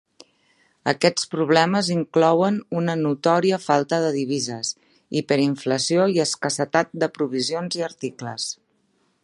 Aquests problemes inclouen una notòria falta de divises, hiperinflació i escassetat de provisions i articles.